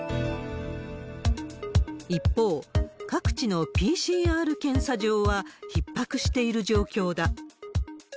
一方、各地のＰＣＲ検査場はひっ迫している状況だ。